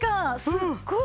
すっごい